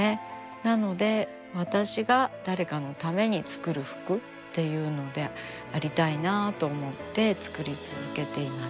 なので私が誰かのために作る服っていうのでありたいなと思って作り続けています。